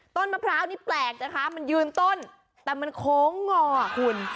มะพร้าวนี่แปลกนะคะมันยืนต้นแต่มันโค้งงอคุณ